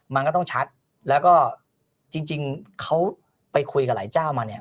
มันก็ต้องชัดแล้วก็จริงเขาไปคุยกับหลายเจ้ามาเนี่ย